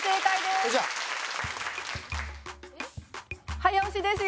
「早押しですよ。